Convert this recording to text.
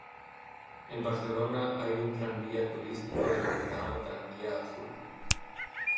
En Barcelona hay un tranvía turístico denominado Tranvía Azul.